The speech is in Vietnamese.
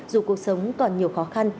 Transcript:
dù cuộc sống còn nhiều khó khăn